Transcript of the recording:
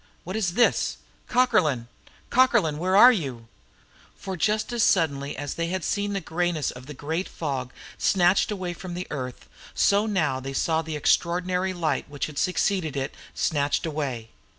What is this? Cockerlyne Cockerlyne, where are you?" For just as suddenly as they had seen the greyness of the great fog snatched away from the earth, so now they saw the extraordinary light which had succeeded it snatched away.